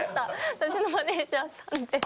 私のマネージャーさんです。